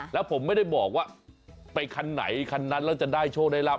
แล้วผมไม่ได้บอกว่าไปคันไหนคันนั้นแล้วจะได้โชคได้รับ